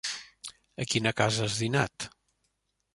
A quina casa has dinat?